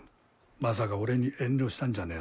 まさか俺に遠慮したんじゃね